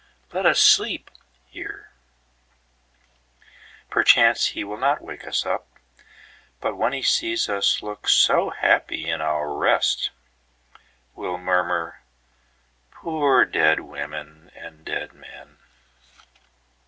let us sleep here'?"Perchance He will not wake us up, but whenHe sees us look so happy in our rest, Will murmur, "Poor dead women and dead men!